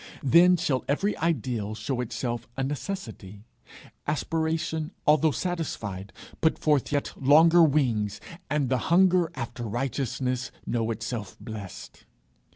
Then shall every ideal show itself a necessity, aspiration although satisfied put forth yet longer wings, and the hunger after righteousness know itself blessed.